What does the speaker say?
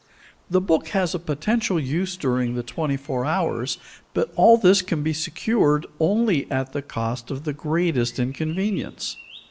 The book has a potential use during the twenty four hours, but all this can be secured only at the cost of the greatest inconvenience.